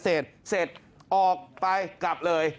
เสร็จออกไปกลับเลย